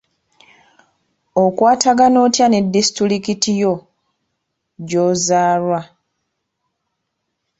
Okwatagana otya ne disitulikiti yo gy'ozaalwa?